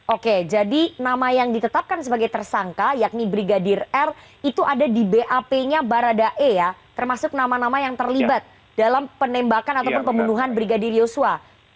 oke jadi nama yang ditetapkan sebagai tersangka yakni brigadir r itu ada di bap nya baradae ya termasuk nama nama yang terlibat dalam penembakan ataupun pembunuhan brigadir yosua